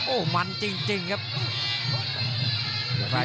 โอ้โหมันจริงครับ